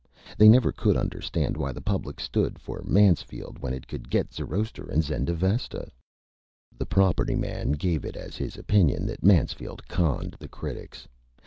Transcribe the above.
They never could Understand why the Public stood for Mansfield when it could get Zoroaster and Zendavesta. The Property Man gave it as his Opinion that Mansfield conned the Critics.